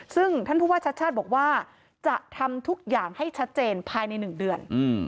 ซึ่งท่านผู้ว่าชาติชาติบอกว่าจะทำทุกอย่างให้ชัดเจนภายใน๑เดือน